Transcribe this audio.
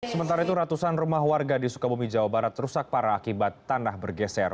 sementara itu ratusan rumah warga di sukabumi jawa barat rusak parah akibat tanah bergeser